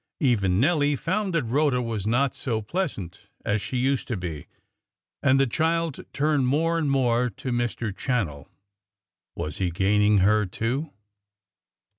Even Nelly found that Rhoda was not so pleasant as she used to be, and the child turned more and more to Mr. Channell. Was he gaining her too?